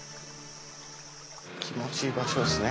気持ちいい場所っすね。